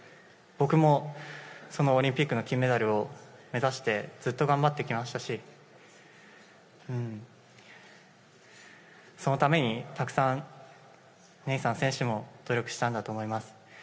僕もそのオリンピックの金メダルを目指して、ずっと頑張ってきましたし、そのためにたくさんネイサン選手も努力したんだと思います。